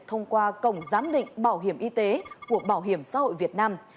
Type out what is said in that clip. thông qua cổng giám định bảo hiểm y tế của bảo hiểm xã hội việt nam